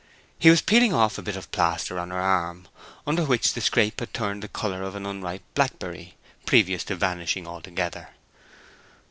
He was peeling off the bit of plaster on her arm, under which the scrape had turned the color of an unripe blackberry previous to vanishing altogether.